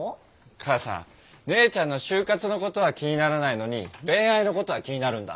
母さん姉ちゃんの就活のことは気にならないのに恋愛のことは気になるんだ？